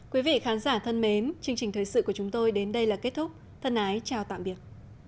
quý vị khán giả thân mến chương trình thời sự của chúng tôi đến đây là kết thúc thân ái chào tạm biệt